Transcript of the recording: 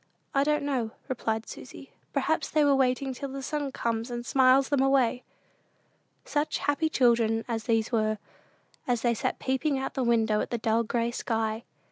"I don't know," replied Susy; "perhaps they are waiting till the sun comes and smiles them away." Such happy children as these were, as they sat peeping out of the window at the dull gray sky!